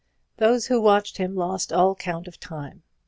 Those who watched him lost all count of time.